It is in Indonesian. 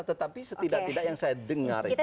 tetapi setidak tidak yang saya dengar itu